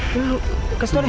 lalu kesana deh